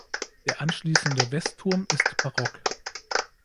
Der anschließende Westturm ist barock.